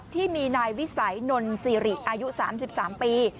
ที่มีนายวิสัยนนซีริอายุ๓๓ปี